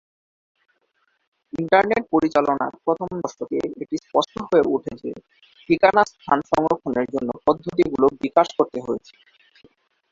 Internet পরিচালনার প্রথম দশকে, এটি স্পষ্ট হয়ে ওঠে যে ঠিকানা স্থান সংরক্ষণের জন্য পদ্ধতিগুলি বিকাশ করতে হয়েছিল।